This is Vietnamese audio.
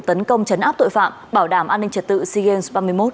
tấn công chấn áp tội phạm bảo đảm an ninh trật tự sea games ba mươi một